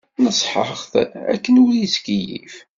Neṣḥeɣ-t akken ur yettkeyyif.